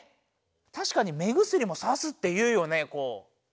たしかに目薬も「さす」って言うよねこう。